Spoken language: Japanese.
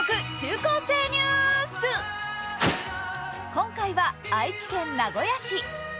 今回は愛知県名古屋市。